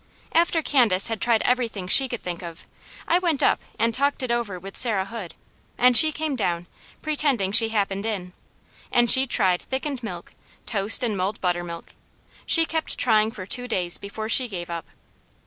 After Candace had tried everything she could think of, I went up and talked it over with Sarah Hood, and she came down, pretending she happened in, and she tried thickened milk, toast and mulled buttermilk; she kept trying for two days before she gave up.